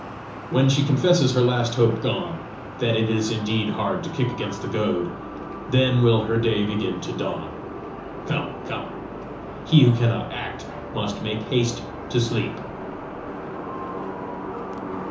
When she confesses her last hope gone, that it is indeed hard to kick against the goad, then will her day begin to dawn! Come; come! He who cannot act must make haste to sleep!"